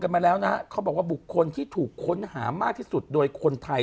มาแล้วนะฮะเขาบอกว่าบุคคลที่ถูกค้นหามากที่สุดโดยคนไทย